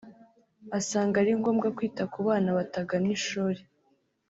Asanga ari ngombwa kwita ku bana batagana ishuri